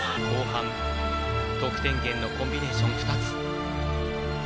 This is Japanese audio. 後半、得点源のコンビネーション２つ。